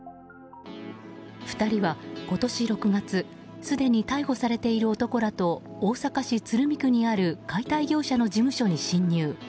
２人は今年６月すでに逮捕されている男らと大阪市鶴見区にある解体業者の事務所に侵入。